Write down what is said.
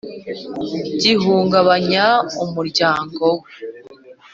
gihungabanya umuryango we .